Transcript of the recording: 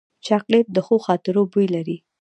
چاکلېټ د ښو خاطرو بوی لري.